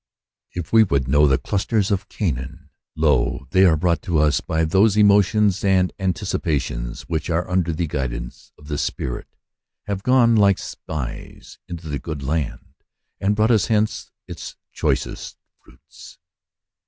If we would know the clusters of Canaan, lo, they are brought to us by those emotions and anticipations, which, under the guidance of the Spirit, have gone, like spies, into the good land, and brought us hence its choicest fruits!